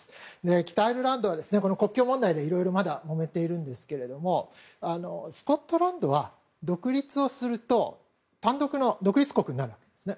北アイルランドは国境問題でまだ、いろいろともめているんですがスコットランドは独立すると単独の独立国になるんですね。